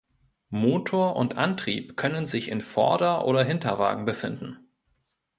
Motor und Antrieb können sich im Vorder- oder Hinterwagen befinden.